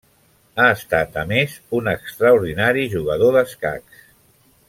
Ha estat, a més, un extraordinari jugador d'escacs.